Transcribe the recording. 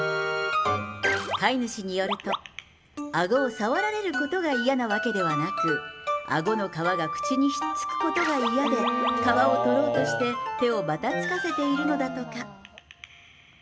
飼い主によると、あごを触られることが嫌なわけでなく、あごの皮が口にひっつくことが嫌で、皮を取ろうとして手をばたつかせているのだとか。